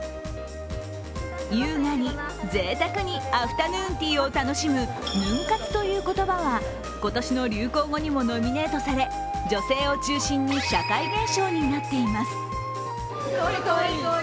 優雅に、ぜいたくに、アフタヌーンティーを楽しむヌン活という言葉は今年の流行語にもノミネートされ女性を中心に社会現象になっています。